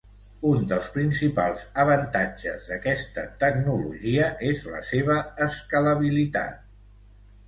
Un dels principals avantatges d'aquesta tecnologia és la seva escalabilitat.